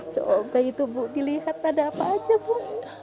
coba itu bu dilihat ada apa aja bu